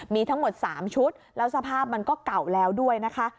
มีทั้งหมด๓ชุดแล้วสภาพมันก็เก่าแล้วด้วยนะคะ